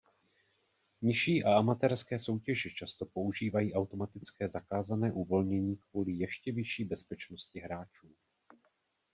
Nižší a amatérské soutěže často používají automatické zakázané uvolnění kvůli ještě vyšší bezpečnosti hráčů.